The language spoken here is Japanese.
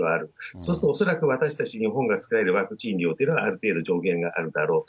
そうすると恐らく私たち日本が使えるワクチン量というのは、ある程度上限があるだろうと。